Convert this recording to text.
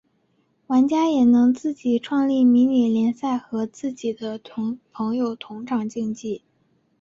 玩家也能自己创立迷你联赛和自己的朋友同场竞技。